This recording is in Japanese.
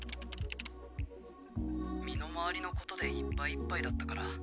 「身の回りの事でいっぱいいっぱいだったから」